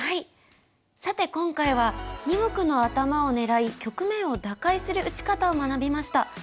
さて今回は二目の頭を狙い局面を打開する打ち方を学びました。